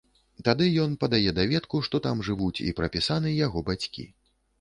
Тады ён падае даведку, што там жывуць і прапісаны яго бацькі.